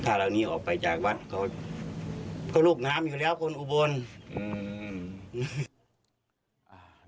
ถ้าเรานี้ออกไปจากวัดเขาก็ลูกน้ำอยู่แล้วคนอุบลอืมอ่า